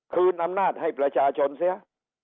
คืนอำนาจให้ประชาชนเสีย